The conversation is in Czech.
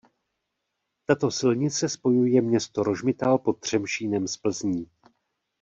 Tato silnice spojuje město Rožmitál pod Třemšínem s Plzní.